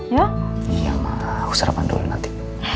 iya ma aku sarapan dulu nanti